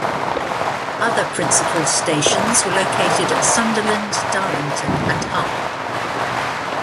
Other principal stations were located at Sunderland, Darlington and Hull.